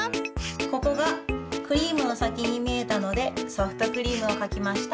ここがクリームのさきにみえたのでソフトクリームをかきました。